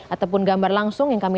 ataupun gambar langsung yang kami